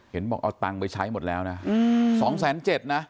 เห็นบอกเอาตังค์ไปใช้หมดแล้วนะสองแสนเจ็ดนะ